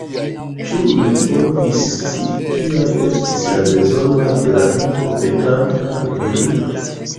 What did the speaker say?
Ĉu li povis scii, kiaj estis la bezonoj de la helpopetanta virino?